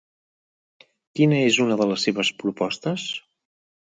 Quina és una de les seves propostes?